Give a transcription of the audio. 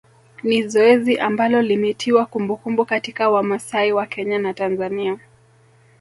Ni zoezi ambalo limetiwa kumbukumbu katika Wamasai wa Kenya na Tanzania